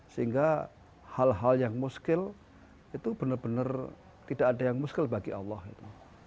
sehingga hal hal yang muskil itu benar benar tidak ada yang muskil bagi allah itu